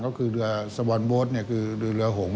ก็คือเรือสวอนโบ๊ทหรือเรือหงษ์